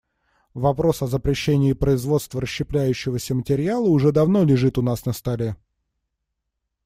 Вопрос о запрещении производства расщепляющегося материала уже давно лежит у нас на столе.